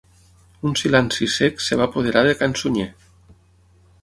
Un silenci cec es va apoderar de can Sunyer.